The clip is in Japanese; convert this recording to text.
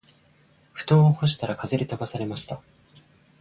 布団を干したら風で飛ばされました